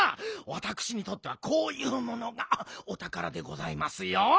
わたくしにとってはこういうものがおたからでございますよ。